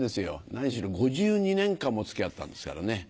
何しろ５２年間もつきあったんですからね。